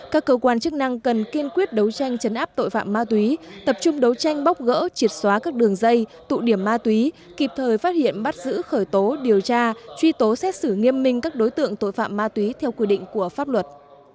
các cơ quan chức năng cần kiên quyết đấu tranh chấn áp tội phạm ma túy tập trung đấu tranh bóc gỡ triệt xóa các đường dây tụ điểm ma túy kịp thời phát hiện bắt giữ khởi tố điều tra truy tố xét xử nghiêm minh các đối tượng tội phạm ma túy theo quy định của pháp luật